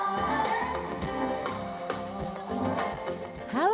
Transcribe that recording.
apa ada jalan ke luar